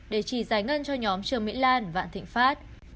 để chỉ giải ngân cho nhóm trương mỹ lan vạn thịnh pháp